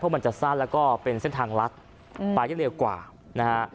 มันจะสั้นแล้วก็เป็นเส้นทางลัดไปได้เร็วกว่านะฮะ